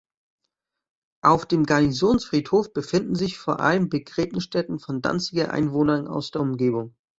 Auf dem Garnisonsfriedhof befinden sich vor allem Begräbnisstätten von Danziger Einwohnern aus der Umgebung.